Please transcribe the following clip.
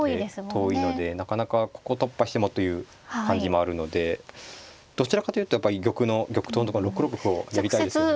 遠いのでなかなかここを突破してもという感じもあるのでどちらかというとやっぱり玉の玉頭のところ６六歩をやりたいですよね。